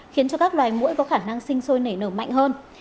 khiến cho các loài mũi có khả năng sinh sôi nảy nở mạnh hơn